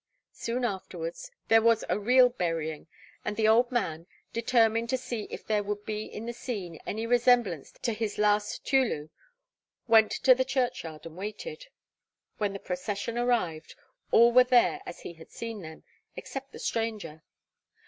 Soon afterwards there was a real burying, and the old man, determined to see if there would be in the scene any resemblance to his last Teulu, went to the churchyard and waited. When the procession arrived, all were there as he had seen them, except the stranger.